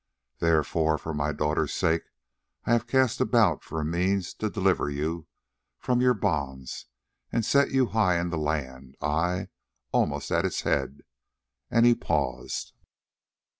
Therefore, for my daughter's sake I have cast about for a means to deliver you from bonds and to set you high in the land, ay, almost at its head," and he paused.